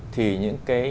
thì những cái